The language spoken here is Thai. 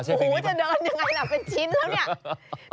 โอ้โหจะเดินยังไงล่ะเป็นชิ้นแล้วเนี่ย